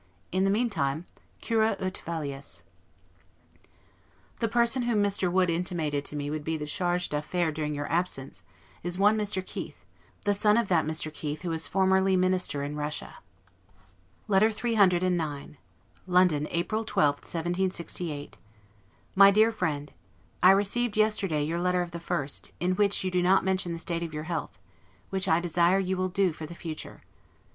In the meantime, 'Cura ut valeas'. The person whom Mr. Wood intimated to me would be the 'Charge d'Affaires' during your absence, is one Mr. Keith, the son of that Mr. Keith who was formerly Minister in Russia. LETTER CCCIX LONDON, April 12, 1768. MY DEAR FRIEND: I received, yesterday, your letter of the 1st; in which you do not mention the state of your health, which I desire you will do for the future.